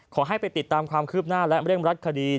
ขอให้ไปติดตามความคืบหน้าและเร่งรัดคดี